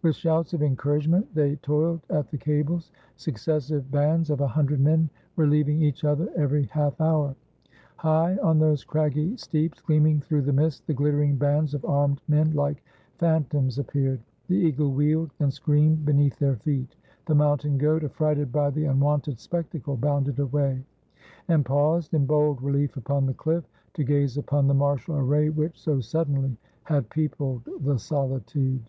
With shouts of encouragement they toiled at the cables, successive bands of a hundred men reheving each other every half hour. High on those craggy steeps, gleaming through the mist, the glittering bands of armed men like phan toms appeared. The eagle wheeled and screamed be neath their feet. The mountain goat, affrighted by the unwonted spectacle, bounded away, and paused in bold relief upon the cHff , to gaze upon the martial array which so suddenly had peopled the solitude.